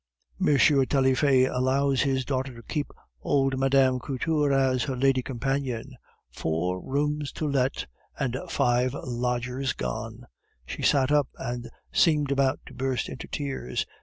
M. Taillefer allows his daughter to keep old Mme. Couture as her lady companion. Four rooms to let! and five lodgers gone!..." She sat up, and seemed about to burst into tears.